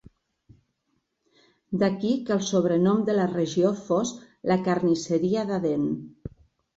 D'aquí que el sobrenom de la regió fos "la carnisseria d'Aden".